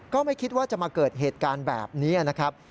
ก็ไม่คิดว่าจะมาเกิดเหตุการณ์แบบนี้นะครับ